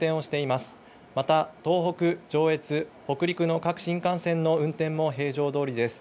また、東北、上越、北陸の各新幹線の運転も平常どおりです。